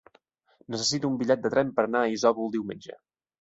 Necessito un bitllet de tren per anar a Isòvol diumenge.